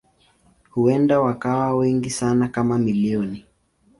Huenda wakawa wengi sana kama milioni.